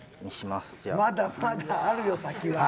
まだまだあるよ先は。